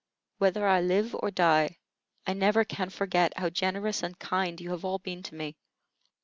Whether I live or die, I never can forget how generous and kind you have all been to me."